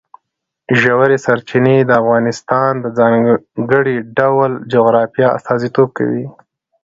ژورې سرچینې د افغانستان د ځانګړي ډول جغرافیه استازیتوب کوي.